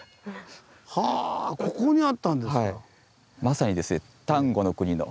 はあここにあったんですか。